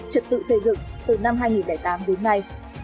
trật tự xây dựng từ năm hai nghìn một mươi tám đến nay